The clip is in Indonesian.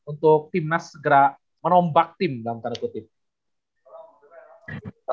untuk tim nas segera menombak tim dalam tanda kutip